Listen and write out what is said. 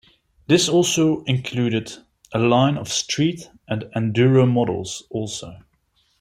This also included a line of street and Enduro models also.